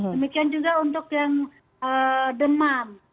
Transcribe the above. demikian juga untuk yang demam